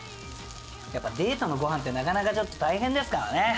やっぱデートのご飯ってなかなかちょっと大変ですからね。